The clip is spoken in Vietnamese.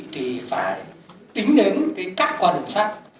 thì phải tính đến cái cắt qua đường sắt